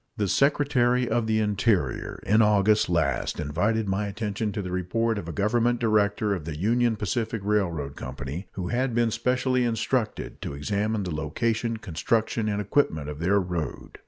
The Secretary of the Interior in August last invited my attention to the report of a Government director of the Union Pacific Railroad Company who had been specially instructed to examine the location, construction, and equipment of their road.